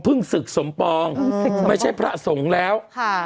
เมื่อพระสงค์ไม่ใช่พระสงค์แล้ว